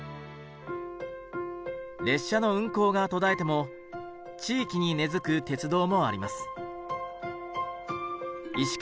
列車の運行が途絶えても地域に根づく鉄道もあります。